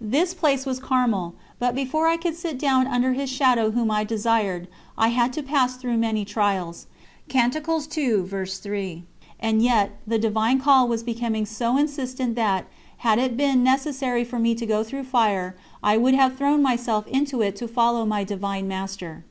This place was Carmel, but before I could "sit down under His Shadow Whom I desired," I had to pass through many trials. And yet the Divine Call was becoming so insistent that, had it been necessary for me to go through fire, I would have thrown myself into it to follow my Divine Master.